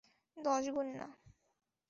দশ গুণ না।